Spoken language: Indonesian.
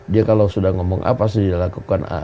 dia kalau sudah ngomong apa pasti dilakukan